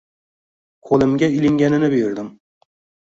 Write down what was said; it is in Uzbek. Qo`limga ilinganini berdim